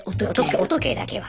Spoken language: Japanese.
お時計だけは。